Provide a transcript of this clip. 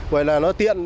vậy là nó tiện